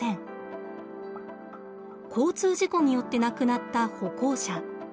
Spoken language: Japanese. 交通事故によって亡くなった歩行者。